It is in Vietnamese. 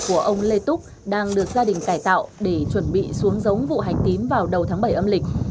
của ông lê túc đang được gia đình cải tạo để chuẩn bị xuống giống vụ hành tím vào đầu tháng bảy âm lịch